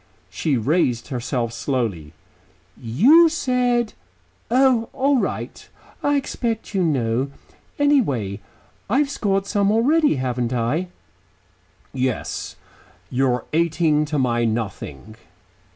She raised herself slowly. "You said Oh, all right, I expect you know. Anyhow, I have scored some already, haven't I?" "Yes. You're eighteen to my nothing."